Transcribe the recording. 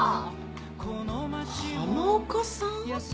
浜岡さん？